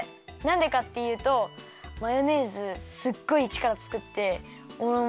なんでかっていうとマヨネーズすっごいちからつかっておれ